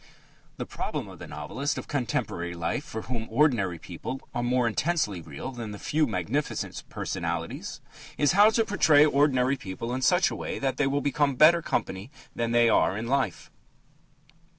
The problem of the novelist of contemporary life for whom ordinary people are more intensely real than the few magnificent personalities is how to portray ordinary people in such a way that they will become better company than they are in life.